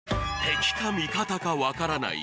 敵か味方か分からない